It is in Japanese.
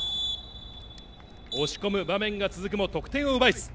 押し込む場面が続くも得点を奪えず。